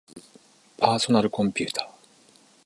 パーソナルコンピューター